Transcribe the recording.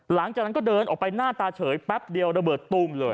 หลังจากนั้นก็เดินออกไปหน้าตาเฉยแป๊บเดียวระเบิดตูมเลย